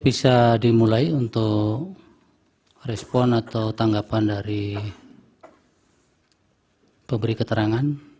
bisa dimulai untuk respon atau tanggapan dari pemberi keterangan